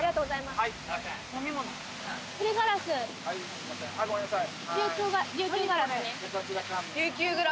すいませんごめんなさい